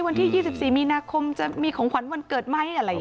วันที่๒๔มีนาคมจะมีของขวัญวันเกิดไหมอะไรอย่างนี้